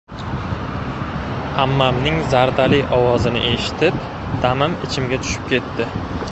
Ammamning zardali ovozini eshitib, damim ichimga tushib ketdi.